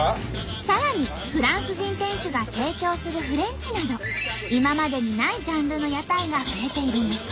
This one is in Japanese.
さらにフランス人店主が提供するフレンチなど今までにないジャンルの屋台が増えているんです。